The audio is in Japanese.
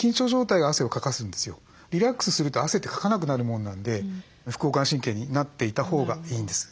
リラックスすると汗ってかかなくなるもんなんで副交感神経になっていたほうがいいんです。